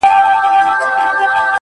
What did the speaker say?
د چا د زړه ازار يې په څو واره دی اخيستی!